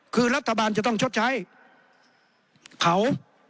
คือรัฐบาลจะต้องชดใช้เขา